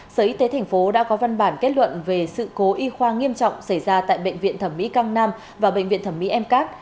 sở y tế tp hcm đã có văn bản kết luận về sự cố y khoa nghiêm trọng xảy ra tại bệnh viện thẩm mỹ căng nam và bệnh viện thẩm mỹ em cát